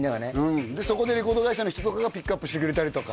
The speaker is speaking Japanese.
そこでレコード会社の人とかがピックアップしてくれたりとか